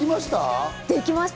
できました？